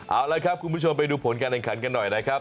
เอาละครับคุณผู้ชมไปดูผลการแข่งขันกันหน่อยนะครับ